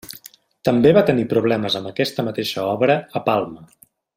També va tenir problemes amb aquesta mateixa obra a Palma.